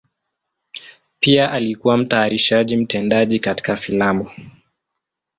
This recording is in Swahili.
Pia alikuwa mtayarishaji mtendaji katika filamu.